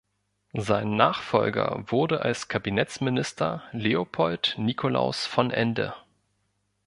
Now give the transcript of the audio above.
Sein Nachfolger wurde als Kabinettsminister Leopold Nicolaus von Ende.